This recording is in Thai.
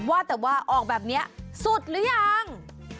ว่าแต่ว่าออกแบบนี้สุดหรือยัง